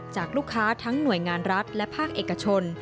จากลูกค้าทั้งหน่วยงานรัฐและภาคเอกชน